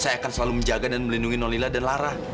saya akan selalu menjaga dan melindungi nolila dan lara